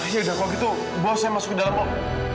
yaudah kalau gitu bawa saya masuk ke dalam